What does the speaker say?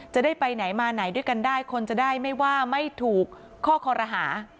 จะได้ไปไหนมาไหนด้วยกันได้คนจะได้ไม่ว่าไม่ถูกข้อคอรหา